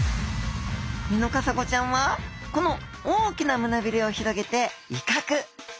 ミノカサゴちゃんはこの大きな胸びれを広げて威嚇。